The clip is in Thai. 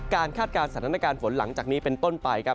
คาดการณ์สถานการณ์ฝนหลังจากนี้เป็นต้นไปครับ